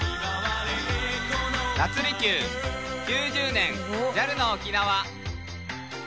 夏離宮９０年ＪＡＬの沖縄。